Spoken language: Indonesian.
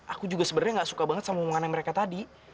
aku juga sebenarnya gak suka banget sama makanan mereka tadi